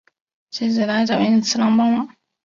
妻子来找寅次郎帮忙。